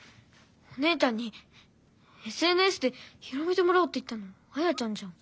お姉ちゃんにＳＮＳで広めてもらおうって言ったのあやちゃんじゃん。